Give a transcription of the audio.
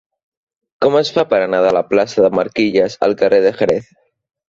Com es fa per anar de la plaça de Marquilles al carrer de Jerez?